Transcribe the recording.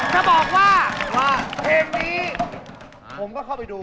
จะบอกว่าเพลงนี้ผมก็เข้าไปดู